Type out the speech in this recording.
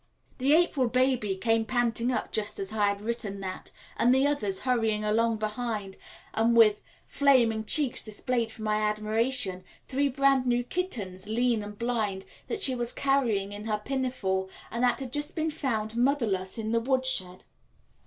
The April baby came panting up just as I had written that, the others hurrying along behind, and with flaming cheeks displayed for my admiration three brand new kittens, lean and blind, that she was carrying in her pinafore, and that had just been found motherless in the woodshed.